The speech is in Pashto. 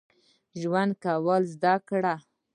ژوند کول زده کړئ